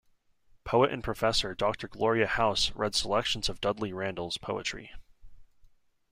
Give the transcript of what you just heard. Poet and professor Doctor Gloria House read selections of Dudley Randall's poetry.